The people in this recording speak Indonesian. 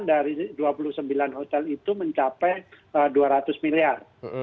dari dua puluh sembilan hotel itu mencapai dua ratus miliar